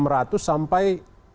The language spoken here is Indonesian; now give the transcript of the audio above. rp enam ratus sampai